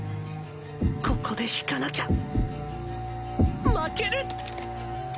ここで引かなきゃ負ける！